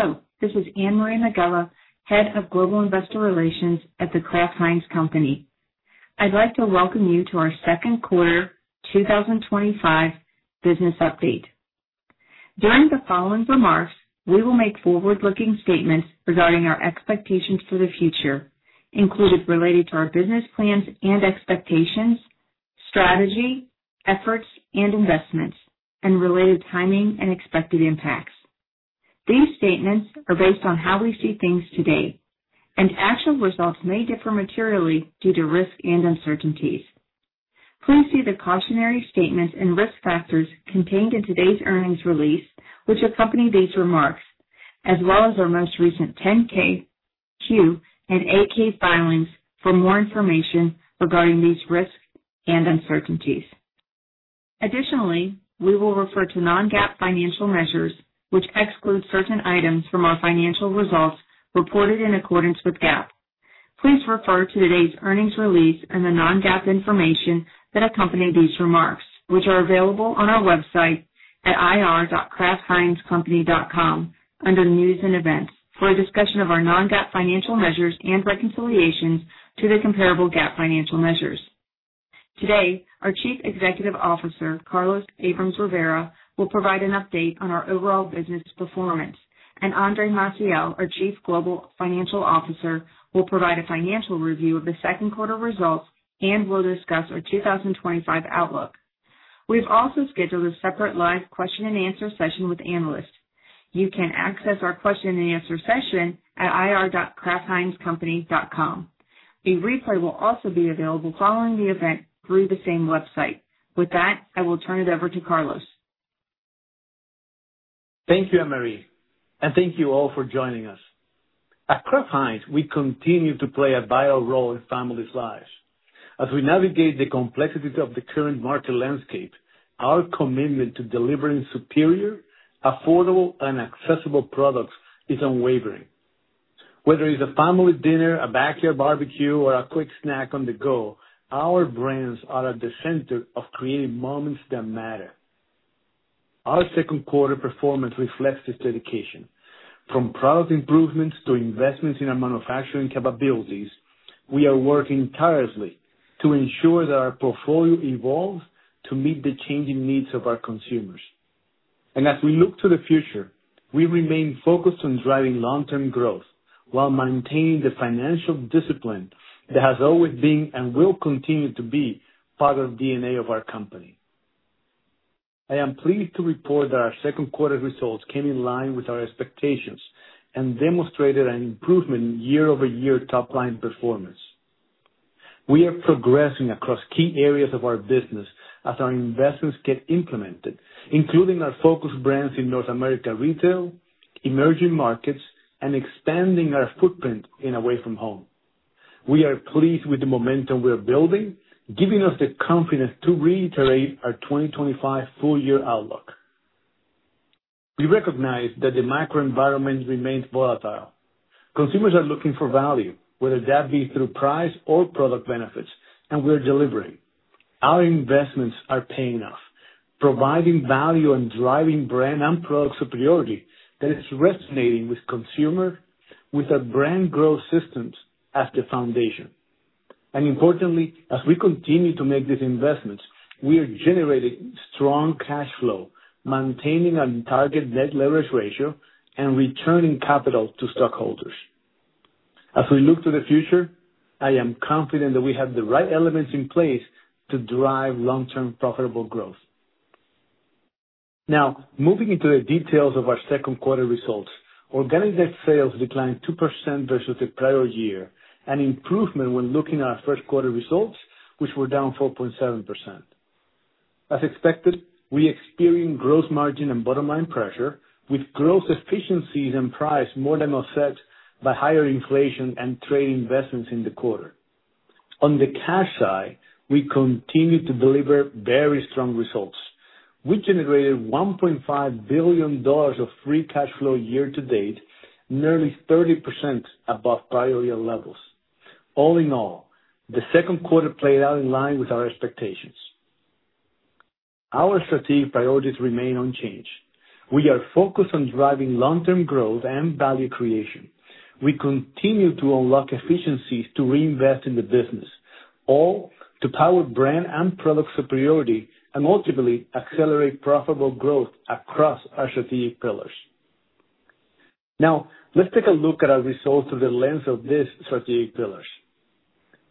Hello. This is Anne-Marie Megela, Head of Global Investor Relations at The Kraft Heinz Company. I'd like to welcome you to our second quarter 2025 business update. During the following remarks, we will make forward-looking statements regarding our expectations for the future, included related to our business plans and expectations, strategy, efforts, and investments, and related timing and expected impacts. These statements are based on how we see things today, and actual results may differ materially due to risk and uncertainties. Please see the cautionary statements and risk factors contained in today's earnings release, which accompany these remarks, as well as our most recent 10-K, Q, and 8-K filings for more information regarding these risks and uncertainties. Additionally, we will refer to non-GAAP financial measures, which exclude certain items from our financial results reported in accordance with GAAP. Please refer to today's earnings release and the non-GAAP information that accompany these remarks, which are available on our website at ir.kraftheinzcompany.com under News and Events for a discussion of our non-GAAP financial measures and reconciliations to the comparable GAAP financial measures. Today, our Chief Executive Officer, Carlos Abrams-Rivera, will provide an update on our overall business performance, and Andre Maciel, our Chief Global Financial Officer, will provide a financial review of the second quarter results and will discuss our 2025 outlook. We've also scheduled a separate live question-and-answer session with analysts. You can access our question-and-answer session at ir.kraftheinzcompany.com. A replay will also be available following the event through the same website. With that, I will turn it over to Carlos. Thank you, Anne-Marie, and thank you all for joining us. At Kraft Heinz, we continue to play a vital role in families' lives. As we navigate the complexities of the current market landscape, our commitment to delivering superior, affordable, and accessible products is unwavering. Whether it's a family dinner, a backyard barbecue, or a quick snack on the go, our brands are at the center of creating moments that matter. Our second quarter performance reflects this dedication. From product improvements to investments in our manufacturing capabilities, we are working tirelessly to ensure that our portfolio evolves to meet the changing needs of our consumers. As we look to the future, we remain focused on driving long-term growth while maintaining the financial discipline that has always been and will continue to be part of the DNA of our company. I am pleased to report that our second quarter results came in line with our expectations and demonstrated an improvement in year-over-year top-line performance. We are progressing across key areas of our business as our investments get implemented, including our focus brands in North America retail, emerging markets, and expanding our footprint away from home. We are pleased with the momentum we are building, giving us the confidence to reiterate our 2025 full-year outlook. We recognize that the macro environment remains volatile. Consumers are looking for value, whether that be through price or product benefits, and we're delivering. Our investments are paying off, providing value and driving brand and product superiority that is resonating with consumers, with our brand growth systems as the foundation. Importantly, as we continue to make these investments, we are generating strong cash flow, maintaining our target net leverage ratio, and returning capital to stockholders. As we look to the future, I am confident that we have the right elements in place to drive long-term profitable growth. Now, moving into the details of our second quarter results, organic net sales declined 2% versus the prior year, an improvement when looking at our first quarter results, which were down 4.7%. As expected, we experienced gross margin and bottom line pressure, with gross efficiencies and price more than offset by higher inflation and trade investments in the quarter. On the cash side, we continue to deliver very strong results. We generated $1.5 billion of free cash flow year-to-date, nearly 30% above prior year levels. All in all, the second quarter played out in line with our expectations. Our strategic priorities remain unchanged. We are focused on driving long-term growth and value creation. We continue to unlock efficiencies to reinvest in the business. All to power brand and product superiority and ultimately accelerate profitable growth across our strategic pillars. Now, let's take a look at our results through the lens of these strategic pillars.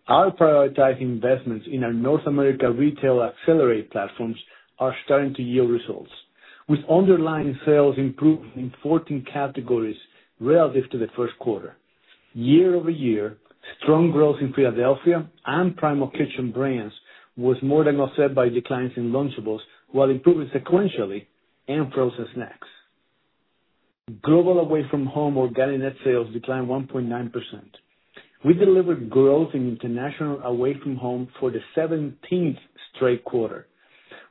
Our prioritized investments in our North America retail accelerate platforms are starting to yield results, with underlying sales improving in 14 categories relative to the first quarter. Year-over-year, strong growth in Philadelphia and Primal Kitchen brands was more than offset by declines in Lunchables while improving sequentially in frozen snacks. Global away from home organic net sales declined 1.9%. We delivered growth in international away from home for the 17th straight quarter,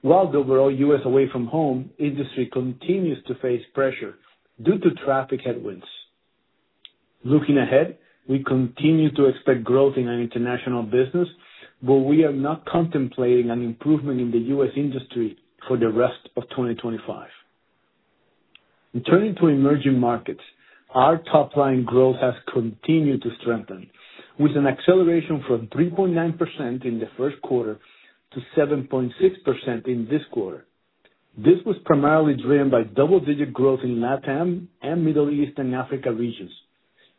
while the overall U.S. away from home industry continues to face pressure due to traffic headwinds. Looking ahead, we continue to expect growth in our international business, but we are not contemplating an improvement in the U.S. industry for the rest of 2025. Turning to emerging markets, our top-line growth has continued to strengthen, with an acceleration from 3.9% in the first quarter to 7.6% in this quarter. This was primarily driven by double-digit growth in Latin America and Middle East and Africa regions.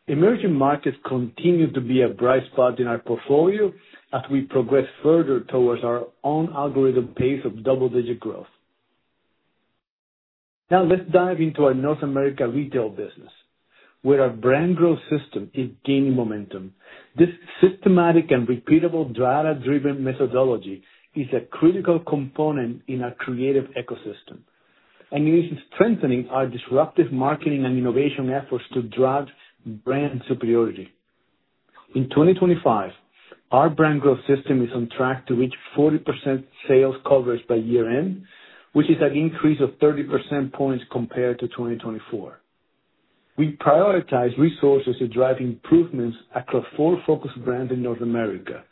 Emerging markets continue to be a bright spot in our portfolio as we progress further towards our own algorithm pace of double-digit growth. Now, let's dive into our North America retail business. With our brand growth system gaining momentum, this systematic and repeatable data-driven methodology is a critical component in our creative ecosystem, and it is strengthening our disruptive marketing and innovation efforts to drive brand superiority. In 2025, our brand growth system is on track to reach 40% sales coverage by year-end, which is an increase of 30 percentage points compared to 2024. We prioritize resources to drive improvements across four focus brands in North America: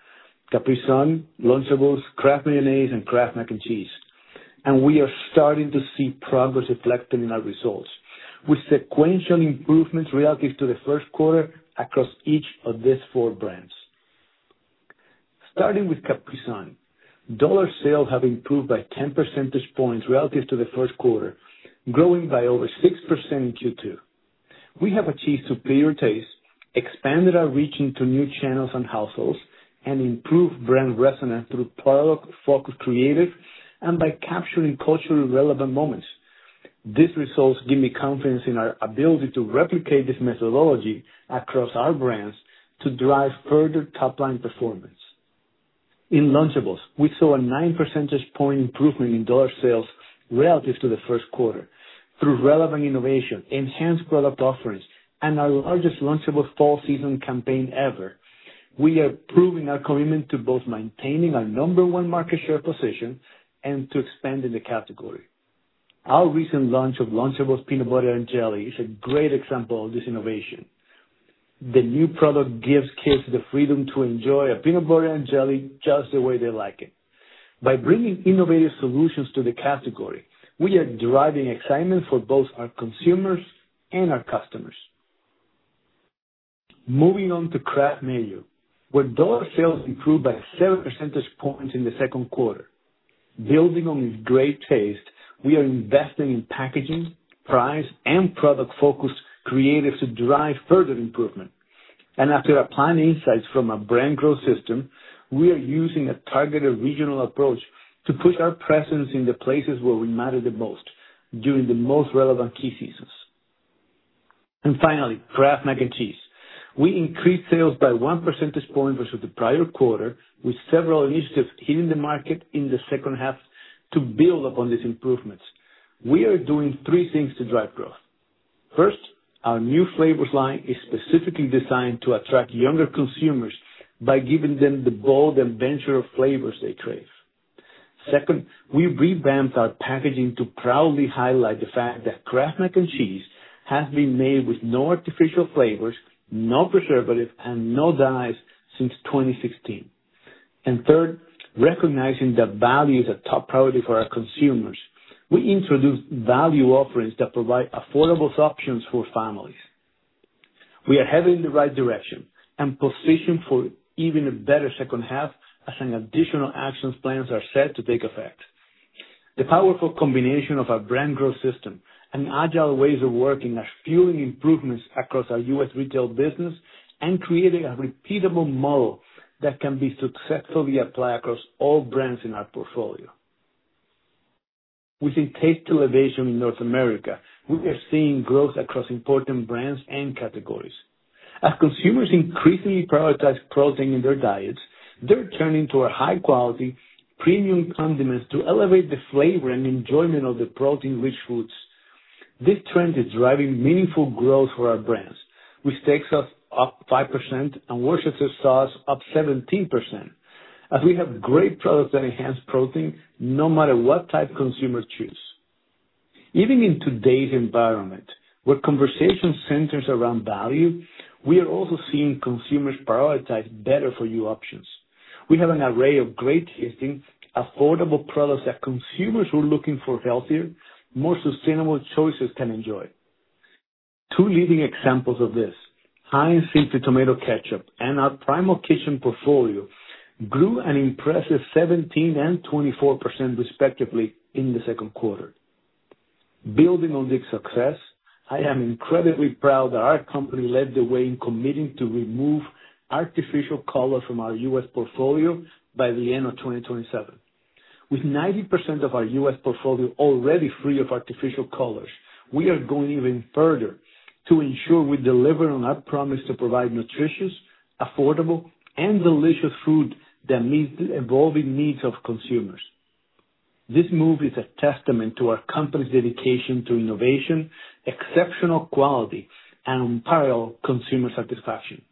Capri Sun, Lunchables, Kraft Mayonnaise, and Kraft Mac & Cheese. We are starting to see progress reflected in our results, with sequential improvements relative to the first quarter across each of these four brands. Starting with Capri Sun, dollar sales have improved by 10 percentage points relative to the first quarter, growing by over 6% in Q2. We have achieved superior taste, expanded our reach into new channels and households, and improved brand resonance through product-focused creative and by capturing culturally relevant moments. These results give me confidence in our ability to replicate this methodology across our brands to drive further top-line performance. In Lunchables, we saw a 9 percentage point improvement in dollar sales relative to the first quarter through relevant innovation, enhanced product offerings, and our largest Lunchables fall season campaign ever. We are proving our commitment to both maintaining our number one market share position and to expanding the category. Our recent launch of Lunchables Peanut Butter and Jelly is a great example of this innovation. The new product gives kids the freedom to enjoy a peanut butter and jelly just the way they like it. By bringing innovative solutions to the category, we are driving excitement for both our consumers and our customers. Moving on to Kraft Mayonnaise, where dollar sales improved by 7 percentage points in the second quarter. Building on its great taste, we are investing in packaging, price, and product-focused creative to drive further improvement. After applying insights from our brand growth system, we are using a targeted regional approach to push our presence in the places where we matter the most during the most relevant key seasons. Finally, Kraft Mac & Cheese. We increased sales by 1 percentage point versus the prior quarter, with several initiatives hitting the market in the second half to build upon these improvements. We are doing three things to drive growth. First, our new flavors line is specifically designed to attract younger consumers by giving them the bold and venture of flavors they crave. Second, we revamped our packaging to proudly highlight the fact that Kraft Mac & Cheese has been made with no artificial flavors, no preservatives, and no dyes since 2016. Third, recognizing that value is a top priority for our consumers, we introduced value offerings that provide affordable options for families. We are heading in the right direction and positioned for even a better second half as additional action plans are set to take effect. The powerful combination of our brand growth system and agile ways of working are fueling improvements across our U.S. retail business and creating a repeatable model that can be successfully applied across all brands in our portfolio. Within taste elevation in North America, we are seeing growth across important brands and categories. As consumers increasingly prioritize protein in their diets, they're turning to our high-quality premium condiments to elevate the flavor and enjoyment of the protein-rich foods. This trend is driving meaningful growth for our brands, which takes us up 5% and Worcestershire sauce up 17%, as we have great products that enhance protein no matter what type consumers choose. Even in today's environment, where conversation centers around value, we are also seeing consumers prioritize better-for-you options. We have an array of great tasting, affordable products that consumers who are looking for healthier, more sustainable choices can enjoy. Two leading examples of this: Heinz Simply Tomato Ketchup and our Primal Kitchen portfolio grew an impressive 17% and 24% respectively in the second quarter. Building on this success, I am incredibly proud that our company led the way in committing to remove artificial color from our U.S. portfolio by the end of 2027. With 90% of our U.S. portfolio already free of artificial colors, we are going even further to ensure we deliver on our promise to provide nutritious, affordable, and delicious food that meets the evolving needs of consumers. This move is a testament to our company's dedication to innovation, exceptional quality, and unparalleled consumer satisfaction.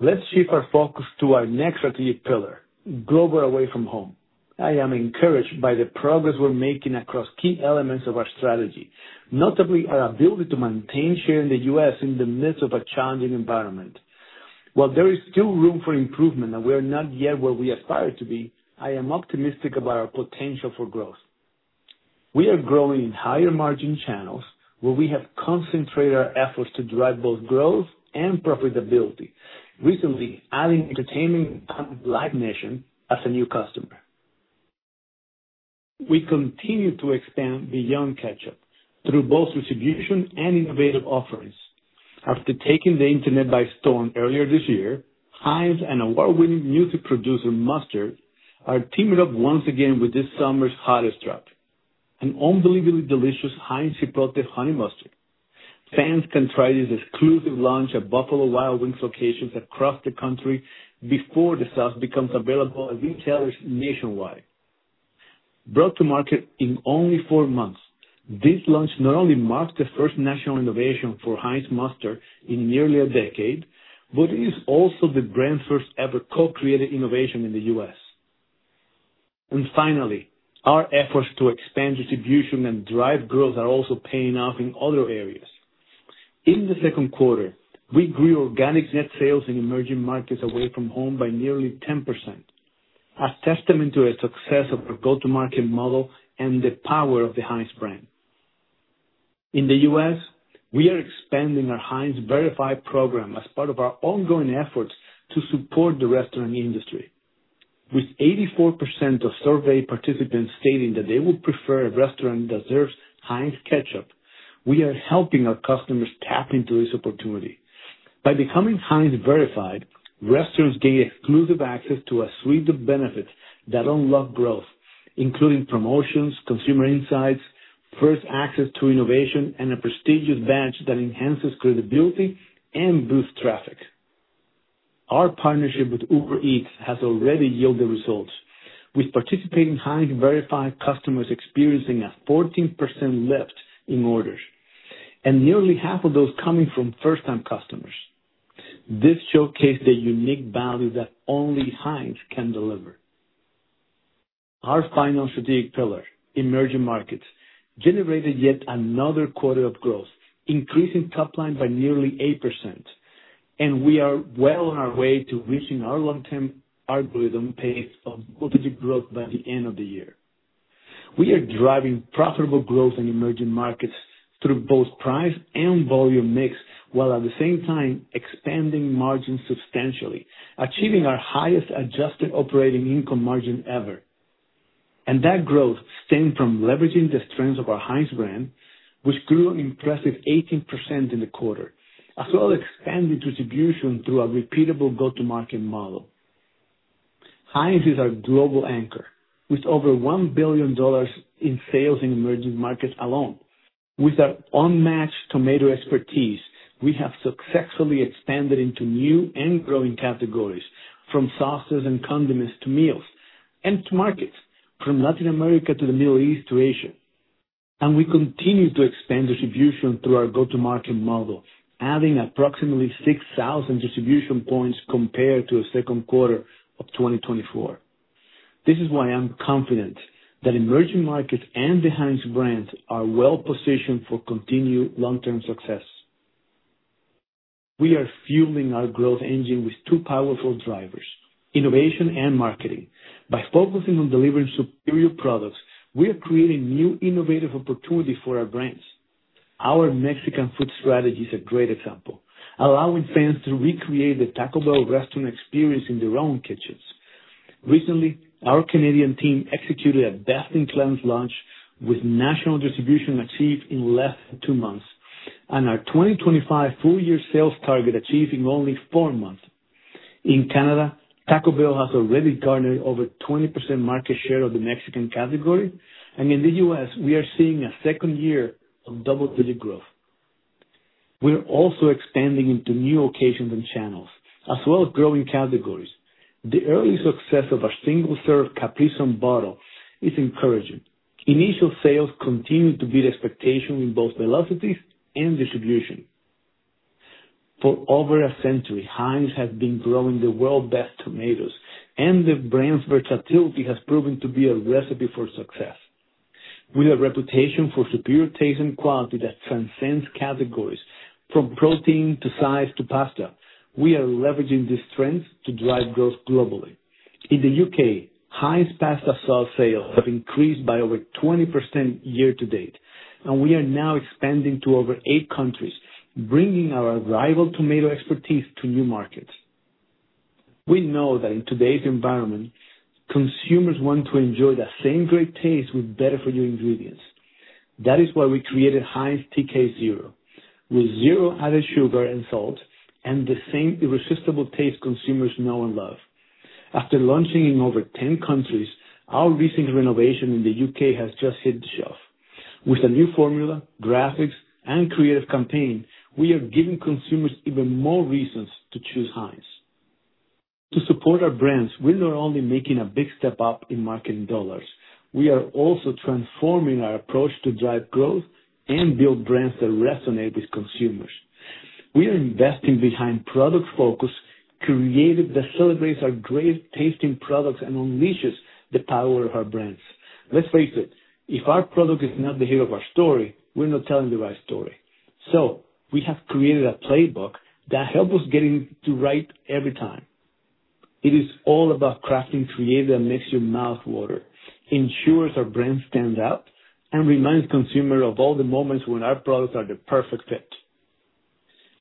Let's shift our focus to our next strategic pillar, global away from home. I am encouraged by the progress we're making across key elements of our strategy, notably our ability to maintain share in the U.S. in the midst of a challenging environment. While there is still room for improvement and we are not yet where we aspire to be, I am optimistic about our potential for growth. We are growing in higher margin channels where we have concentrated our efforts to drive both growth and profitability, recently adding entertainment and Live Nation as a new customer. We continue to expand beyond ketchup through both distribution and innovative offerings. After taking the internet by storm earlier this year, Heinz and award-winning music producer Mustard are teaming up once again with this summer's hottest drop, an unbelievably delicious Heinz Chipotle Honey Mustard. Fans can try this exclusive launch at Buffalo Wild Wings locations across the country before the sauce becomes available at retailers nationwide. Brought to market in only four months, this launch not only marks the first national innovation for Heinz Mustard in nearly a decade, but it is also the brand's first-ever co-created innovation in the U.S. Finally, our efforts to expand distribution and drive growth are also paying off in other areas. In the second quarter, we grew organic net sales in emerging markets away from home by nearly 10%. A testament to the success of our go-to-market model and the power of the Heinz brand. In the U.S., we are expanding our Heinz Verified program as part of our ongoing efforts to support the restaurant industry. With 84% of survey participants stating that they would prefer a restaurant that serves Heinz ketchup, we are helping our customers tap into this opportunity. By becoming Heinz Verified, restaurants gain exclusive access to a suite of benefits that unlock growth, including promotions, consumer insights, first access to innovation, and a prestigious badge that enhances credibility and boosts traffic. Our partnership with Uber Eats has already yielded results, with participating Heinz Verified customers experiencing a 14% lift in orders, and nearly half of those coming from first-time customers. This showcased the unique value that only Heinz can deliver. Our final strategic pillar, emerging markets, generated yet another quarter of growth, increasing top line by nearly 8%. We are well on our way to reaching our long-term algorithm pace of multi-digit growth by the end of the year. We are driving profitable growth in emerging markets through both price and volume mix, while at the same time expanding margins substantially, achieving our highest adjusted operating income margin ever. That growth stemmed from leveraging the strengths of our Heinz brand, which grew an impressive 18% in the quarter, as well as expanding distribution through our repeatable go-to-market model. Heinz is our global anchor, with over $1 billion in sales in emerging markets alone. With our unmatched tomato expertise, we have successfully expanded into new and growing categories, from sauces and condiments to meals and to markets, from Latin America to the Middle East to Asia. We continue to expand distribution through our go-to-market model, adding approximately 6,000 distribution points compared to the second quarter of 2024. This is why I'm confident that emerging markets and the Heinz brand are well-positioned for continued long-term success. We are fueling our growth engine with two powerful drivers: innovation and marketing. By focusing on delivering superior products, we are creating new innovative opportunities for our brands. Our Mexican food strategy is a great example, allowing fans to recreate the Taco Bell restaurant experience in their own kitchens. Recently, our Canadian team executed a Beth and Clarence launch with national distribution achieved in less than two months, and our 2025 full-year sales target achieved in only four months. In Canada, Taco Bell has already garnered over 20% market share of the Mexican category, and in the U.S., we are seeing a second year of double-digit growth. We're also expanding into new locations and channels, as well as growing categories. The early success of our single-serve Capri Sun bottle is encouraging. Initial sales continue to beat expectations in both velocities and distribution. For over a century, Heinz has been growing the world's best tomatoes, and the brand's versatility has proven to be a recipe for success. With a reputation for superior taste and quality that transcends categories, from protein to size to pasta, we are leveraging this strength to drive growth globally. In the U.K., Heinz Pasta Sauce sales have increased by over 20% year-to-date, and we are now expanding to over eight countries, bringing our rival tomato expertise to new markets. We know that in today's environment, consumers want to enjoy the same great taste with better-for-you ingredients. That is why we created Heinz TK Zero, with zero added sugar and salt, and the same irresistible taste consumers know and love. After launching in over 10 countries, our recent renovation in the U.K. has just hit the shelf. With a new formula, graphics, and creative campaign, we are giving consumers even more reasons to choose Heinz. To support our brands, we're not only making a big step up in marketing dollars, we are also transforming our approach to drive growth and build brands that resonate with consumers. We are investing behind product focus, creating that celebrates our great tasting products and unleashes the power of our brands. Let's face it, if our product is not the heat of our story, we're not telling the right story. So we have created a playbook that helps us get it to right every time. It is all about crafting creative that makes your mouth water, ensures our brand stands out, and reminds consumers of all the moments when our products are the perfect fit.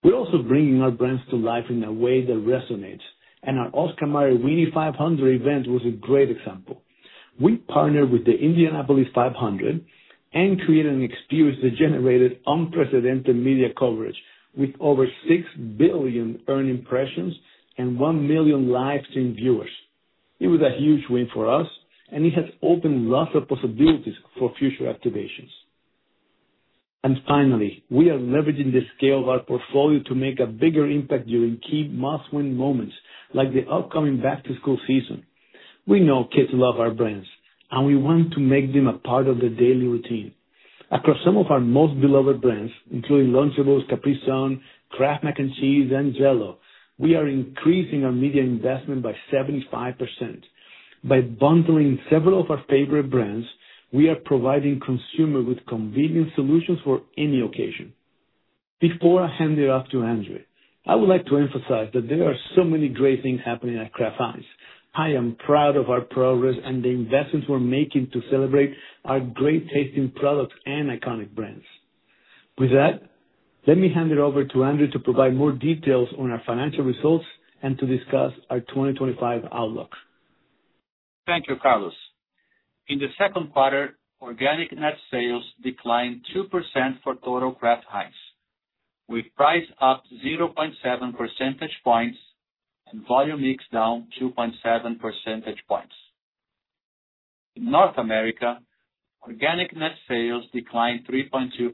We're also bringing our brands to life in a way that resonates, and our Oscar Mayer Weenie 500 event was a great example. We partnered with the Indianapolis 500 and created an experience that generated unprecedented media coverage, with over 6 billion earned impressions and 1 million livestream viewers. It was a huge win for us, and it has opened lots of possibilities for future activations. Finally, we are leveraging the scale of our portfolio to make a bigger impact during key must-win moments like the upcoming back-to-school season. We know kids love our brands, and we want to make them a part of their daily routine. Across some of our most beloved brands, including Lunchables, Capri Sun, Kraft Mac & Cheese, and Jell-O, we are increasing our media investment by 75%. By bundling several of our favorite brands, we are providing consumers with convenient solutions for any occasion. Before I hand it off to Andre, I would like to emphasize that there are so many great things happening at Kraft Heinz. I am proud of our progress and the investments we're making to celebrate our great tasting products and iconic brands. With that, let me hand it over to Andre to provide more details on our financial results and to discuss our 2025 outlook. Thank you, Carlos. In the second quarter, organic net sales declined 2% for total Kraft Heinz, with price up 0.7 percentage points and volume mix down 2.7 percentage points. In North America, organic net sales declined 3.2%,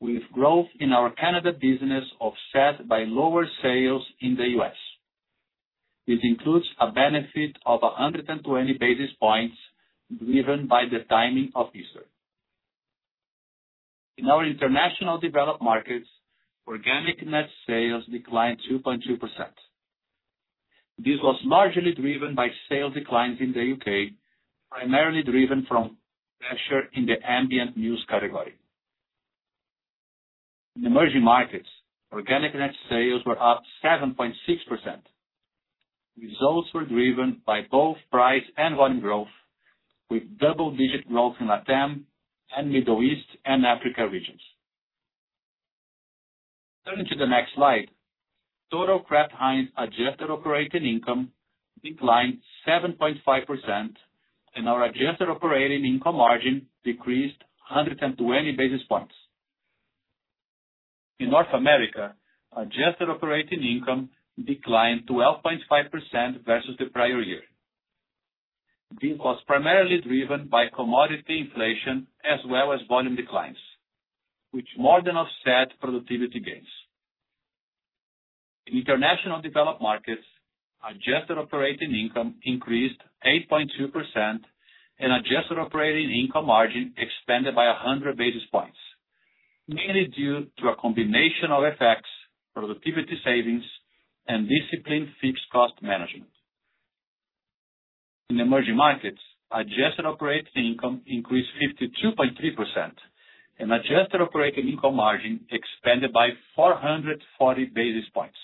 with growth in our Canada business offset by lower sales in the U.S. It includes a benefit of 120 basis points driven by the timing of Easter. In our international developed markets, organic net sales declined 2.2%. This was largely driven by sales declines in the U.K., primarily driven from pressure in the ambient meals category. In emerging markets, organic net sales were up 7.6%. Results were driven by both price and volume growth, with double-digit growth in Latin America and Middle East and Africa regions. Turning to the next slide, total Kraft Heinz adjusted operating income declined 7.5%, and our adjusted operating income margin decreased 120 basis points. In North America, adjusted operating income declined 12.5% versus the prior year. This was primarily driven by commodity inflation as well as volume declines, which more than offset productivity gains. In international developed markets, adjusted operating income increased 8.2%, and adjusted operating income margin expanded by 100 basis points, mainly due to a combination of effects, productivity savings, and disciplined fixed cost management. In emerging markets, adjusted operating income increased 52.3%. Adjusted operating income margin expanded by 440 basis points.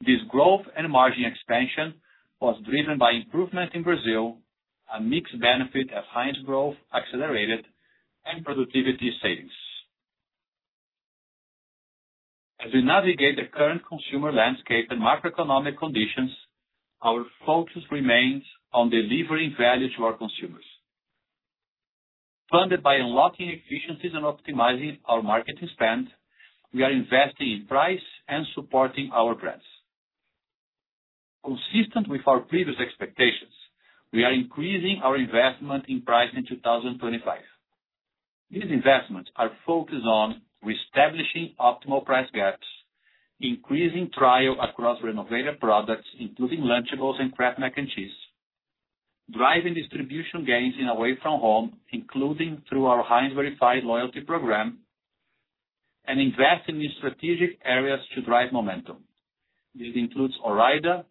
This growth and margin expansion was driven by improvements in Brazil, a mixed benefit as Heinz growth accelerated, and productivity savings. As we navigate the current consumer landscape and macroeconomic conditions, our focus remains on delivering value to our consumers. Funded by unlocking efficiencies and optimizing our marketing spend, we are investing in price and supporting our brands. Consistent with our previous expectations, we are increasing our investment in price in 2025. These investments are focused on reestablishing optimal price gaps, increasing trial across renovated products, including Lunchables and Kraft Mac & Cheese. Driving distribution gains in away-from-home, including through our Heinz Verified loyalty program. Investing in strategic areas to drive momentum. This includes Orida,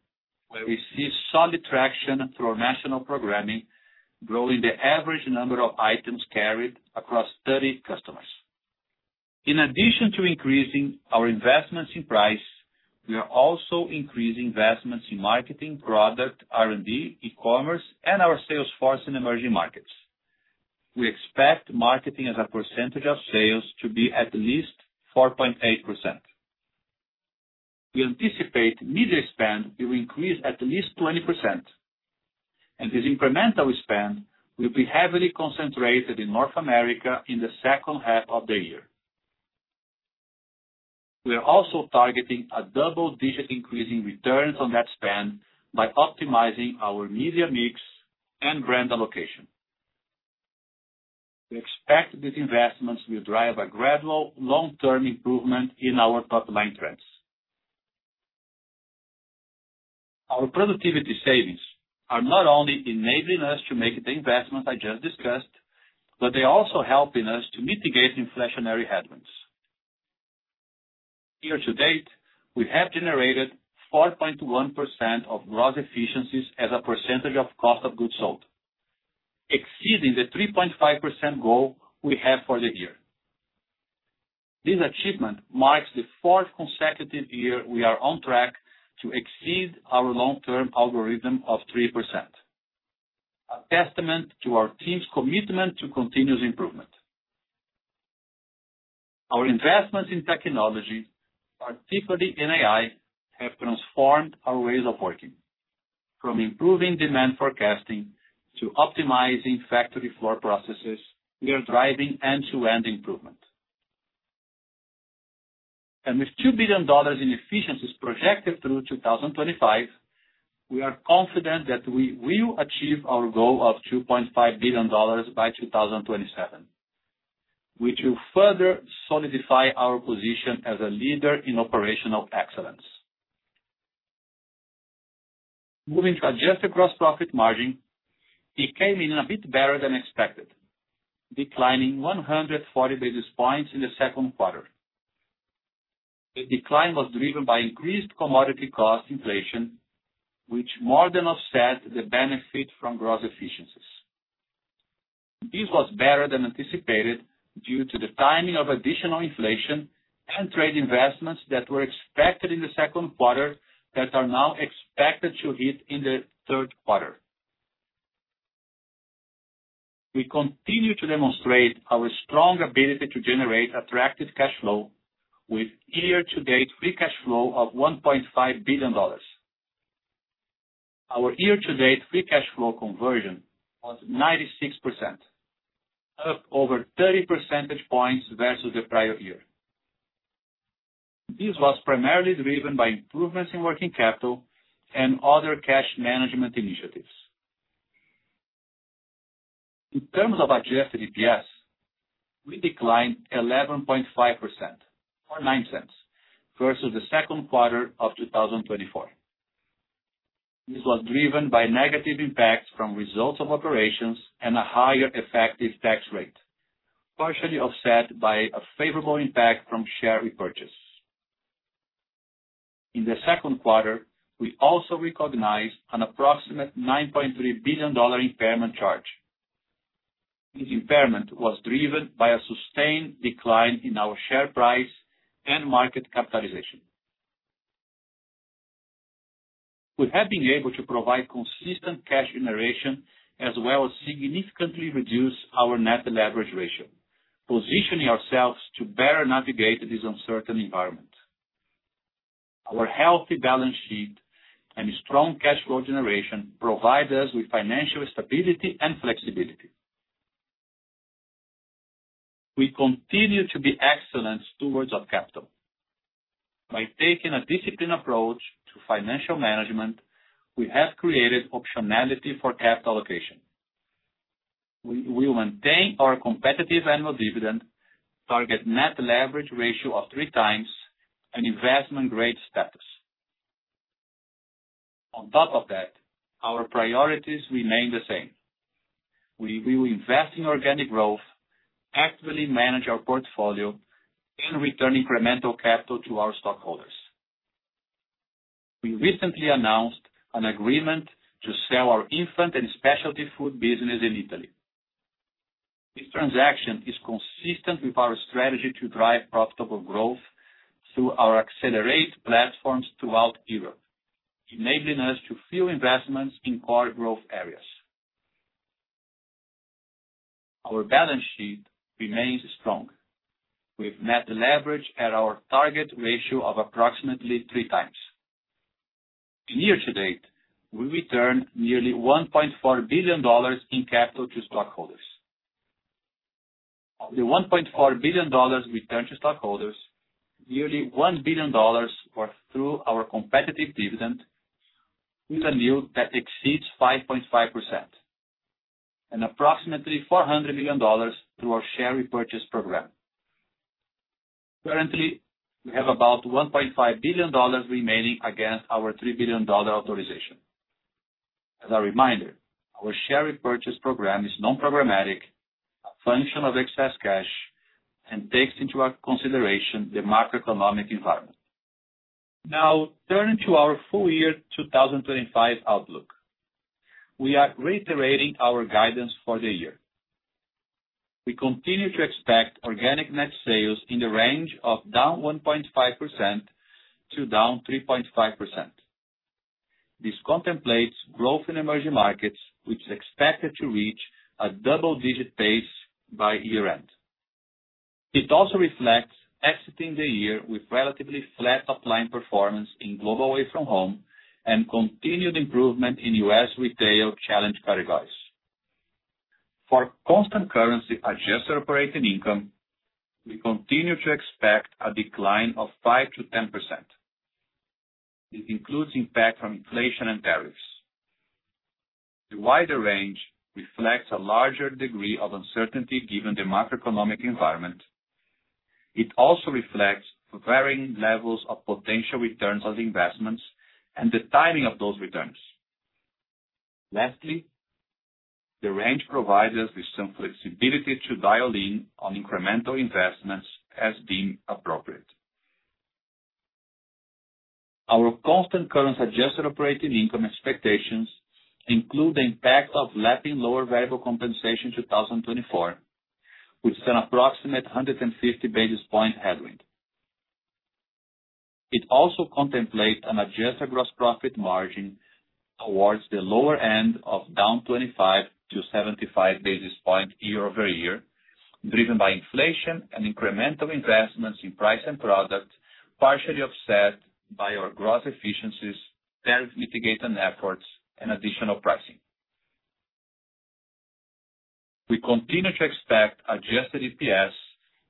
where we see solid traction through our national programming, growing the average number of items carried across 30 customers. In addition to increasing our investments in price, we are also increasing investments in marketing, product, R&D, e-commerce, and our sales force in emerging markets. We expect marketing as a percentage of sales to be at least 4.8%. We anticipate media spend to increase at least 20%. This incremental spend will be heavily concentrated in North America in the second half of the year. We are also targeting a double-digit increase in returns on that spend by optimizing our media mix and brand allocation. We expect these investments will drive a gradual long-term improvement in our top-line trends. Our productivity savings are not only enabling us to make the investments I just discussed, but they are also helping us to mitigate inflationary headwinds. Year-to-date, we have generated 4.1% of gross efficiencies as a percentage of cost of goods sold. Exceeding the 3.5% goal we had for the year. This achievement marks the fourth consecutive year we are on track to exceed our long-term algorithm of 3%. A testament to our team's commitment to continuous improvement. Our investments in technology, particularly in AI, have transformed our ways of working. From improving demand forecasting to optimizing factory floor processes, we are driving end-to-end improvement. With $2 billion in efficiencies projected through 2025, we are confident that we will achieve our goal of $2.5 billion by 2027, which will further solidify our position as a leader in operational excellence. Moving to adjusted gross profit margin, it came in a bit better than expected, declining 140 basis points in the second quarter. The decline was driven by increased commodity cost inflation, which more than offset the benefit from gross efficiencies. This was better than anticipated due to the timing of additional inflation and trade investments that were expected in the second quarter that are now expected to hit in the third quarter. We continue to demonstrate our strong ability to generate attractive cash flow, with year-to-date free cash flow of $1.5 billion. Our year-to-date free cash flow conversion was 96%, up over 30 percentage points versus the prior year. This was primarily driven by improvements in working capital and other cash management initiatives. In terms of Adjusted EPS, we declined 11.5%, or $0.09, versus the second quarter of 2024. This was driven by negative impacts from results of operations and a higher effective tax rate, partially offset by a favorable impact from share repurchase. In the second quarter, we also recognized an approximate $9.3 billion impairment charge. This impairment was driven by a sustained decline in our share price and market capitalization. We have been able to provide consistent cash generation as well as significantly reduce our net leverage ratio, positioning ourselves to better navigate this uncertain environment. Our healthy balance sheet and strong cash flow generation provide us with financial stability and flexibility. We continue to be excellent stewards of capital. By taking a disciplined approach to financial management, we have created optionality for capital allocation. We will maintain our competitive annual dividend, target net leverage ratio of 3x, and investment-grade status. On top of that, our priorities remain the same. We will invest in organic growth, actively manage our portfolio, and return incremental capital to our stockholders. We recently announced an agreement to sell our infant and specialty food business in Italy. This transaction is consistent with our strategy to drive profitable growth through our accelerate platforms throughout Europe, enabling us to fuel investments in core growth areas. Our balance sheet remains strong, with net leverage at our target ratio of approximately 3x. In year-to-date, we returned nearly $1.4 billion in capital to stockholders. Of the $1.4 billion returned to stockholders, nearly $1 billion were through our competitive dividend, with a yield that exceeds 5.5%, and approximately $400 million through our share repurchase program. Currently, we have about $1.5 billion remaining against our $3 billion authorization. As a reminder, our share repurchase program is non-programmatic, a function of excess cash, and takes into consideration the macroeconomic environment. Now, turning to our full year 2025 outlook, we are reiterating our guidance for the year. We continue to expect organic net sales in the range of down 1.5% to down 3.5%. This contemplates growth in emerging markets, which is expected to reach a double-digit pace by year-end. It also reflects exiting the year with relatively flat top-line performance in global away-from-home and continued improvement in U.S. retail challenge categories. For constant currency adjusted operating income, we continue to expect a decline of 5%-10%. This includes impact from inflation and tariffs. The wider range reflects a larger degree of uncertainty given the macroeconomic environment. It also reflects varying levels of potential returns on investments and the timing of those returns. Lastly, the range provides us with some flexibility to dial in on incremental investments as deemed appropriate. Our constant currency adjusted operating income expectations include the impact of lapping lower variable compensation in 2024, with an approximate 150 basis point headwind. It also contemplates an adjusted gross profit margin towards the lower end of down 25-75 basis points year-over-year, driven by inflation and incremental investments in price and product, partially offset by our gross efficiencies, tariff mitigation efforts, and additional pricing. We continue to expect Adjusted EPS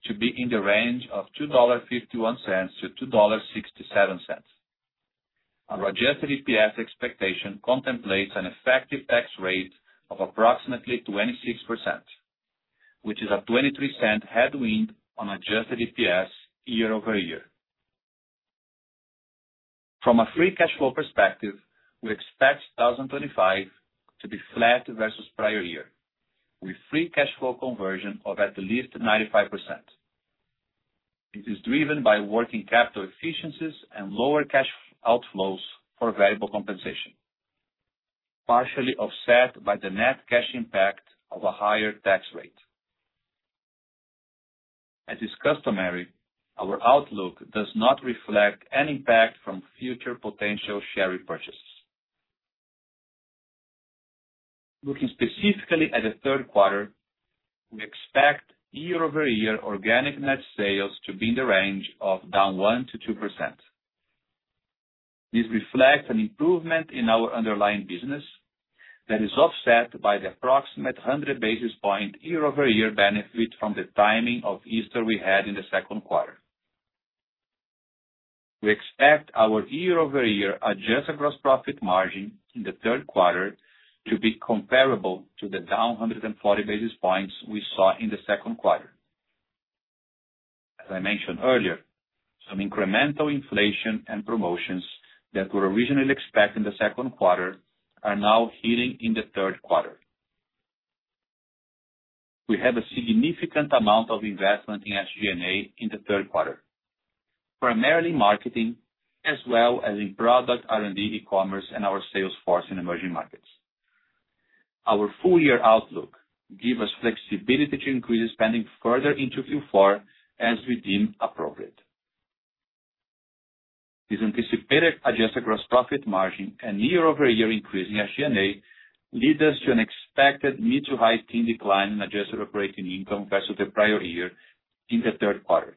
to be in the range of $2.51-$2.67. Our Adjusted EPS expectation contemplates an effective tax rate of approximately 26%, which is a 23% headwind on Adjusted EPS year-over-year. From a free cash flow perspective, we expect 2025 to be flat versus prior year, with free cash flow conversion of at least 95%. It is driven by working capital efficiencies and lower cash outflows for variable compensation, partially offset by the net cash impact of a higher tax rate. As discussed summary, our outlook does not reflect an impact from future potential share repurchases. Looking specifically at the third quarter, we expect year-over-year organic net sales to be in the range of down 1%-2%. This reflects an improvement in our underlying business that is offset by the approximate 100 basis point year-over-year benefit from the timing of Easter we had in the second quarter. We expect our year-over-year adjusted gross profit margin in the third quarter to be comparable to the down 140 basis points we saw in the second quarter. As I mentioned earlier, some incremental inflation and promotions that were originally expected in the second quarter are now hitting in the third quarter. We have a significant amount of investment in SG&A in the third quarter, primarily marketing, as well as in product, R&D, e-commerce, and our sales force in emerging markets. Our full year outlook gives us flexibility to increase spending further into Q4 as we deem appropriate. This anticipated adjusted gross profit margin and year-over-year increase in SG&A lead us to an expected mid-to-high-teens decline in adjusted operating income versus the prior year in the third quarter.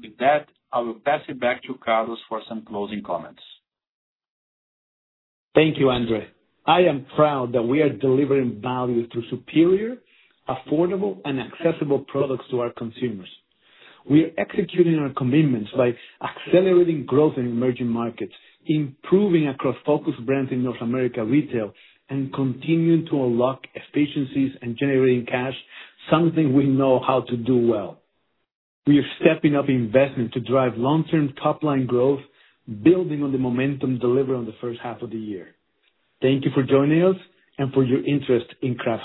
With that, I will pass it back to Carlos for some closing comments. Thank you, Andrea. I am proud that we are delivering value through superior, affordable, and accessible products to our consumers. We are executing our commitments by accelerating growth in emerging markets, improving across focus brands in North America retail, and continuing to unlock efficiencies and generating cash, something we know how to do well. We are stepping up investment to drive long-term top-line growth, building on the momentum delivered on the first half of the year. Thank you for joining us and for your interest in Kraft.